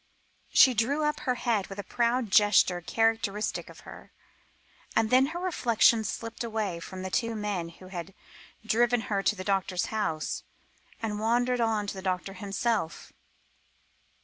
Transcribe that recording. She drew up her head with a proud gesture characteristic of her, and then her reflections slipped away from the two men who had driven her to the doctor's house, and wandered on to the doctor himself.